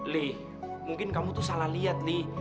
li mungkin kamu tuh salah liat li